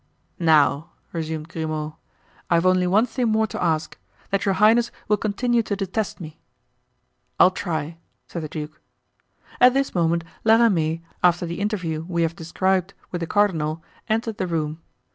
"Now," resumed Grimaud, "I've only one thing more to ask—that your highness will continue to detest me." "I'll try," said the duke. At this moment La Ramee, after the interview we have described with the cardinal, entered the room.